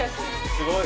すごい。